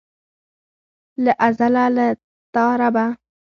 له ازله له تا ربه.